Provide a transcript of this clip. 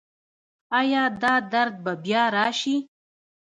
ایا دا درد به بیا راشي؟